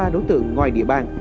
sáu mươi ba đối tượng ngoài địa bàn